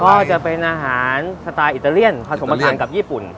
ก็จะเป็นอาหารสไตล์อิตาเลียนผสมผทานกับญี่ปุ่น